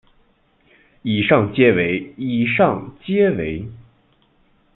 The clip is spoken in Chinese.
以上皆为以上皆为